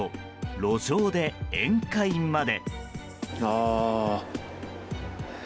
路上で宴会まで。